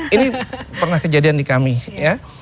ini pernah kejadian di kami ya